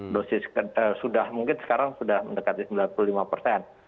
dosis mungkin sekarang sudah mendekati sembilan puluh lima